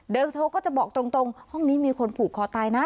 โดยเธอก็จะบอกตรงห้องนี้มีคนผูกคอตายนะ